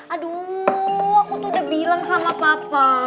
aduh aku tuh udah bilang sama papa